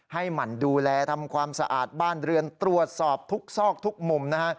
หมั่นดูแลทำความสะอาดบ้านเรือนตรวจสอบทุกซอกทุกมุมนะฮะ